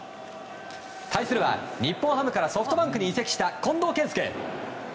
対するは、日本ハムからソフトバンクに移籍した近藤健介。